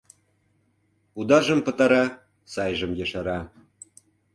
Удажым пытара, сайжым ешара.